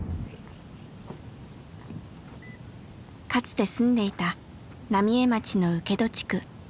かつて住んでいた浪江町の請戸地区。